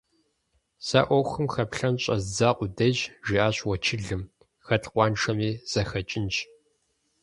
- Сэ Ӏуэхум хэплъэн щӀэздза къудейщ, - жиӏащ уэчылым, - хэт къуаншэми зэхэкӀынщ…